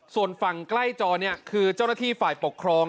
ส่วนฝั่งใกล้จอเนี่ยคือเจ้าหน้าที่ฝ่ายปกครอง